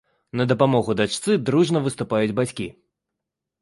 На дапамогу дачцы дружна выступаюць бацькі.